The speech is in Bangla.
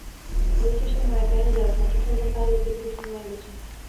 রয়েছে সেই মায়ের কাহিনি, যার একমাত্র সন্তানকে হারিয়ে পৃথিবী শূন্য হয়ে গেছে।